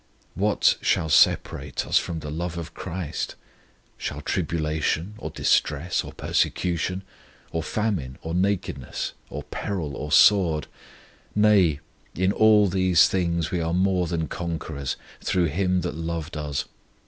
What "shall separate us from the love of CHRIST? shall tribulation, or distress, or persecution, or famine, or nakedness, or peril, or sword? ... Nay, in all these things we are more than conquerors, through Him that loved us.